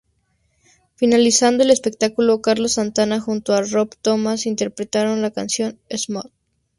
Finalizando el espectáculo, Carlos Santana junto a Rob Thomas interpretaron la canción "Smooth".